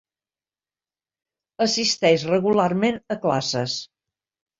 Assisteix regularment a classes